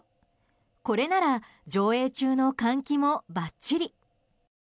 これなら上映中の換気もばっちり。